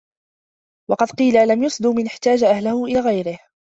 وَقَدْ قِيلَ لَمْ يَسُدْ مَنْ احْتَاجَ أَهْلُهُ إلَى غَيْرِهِ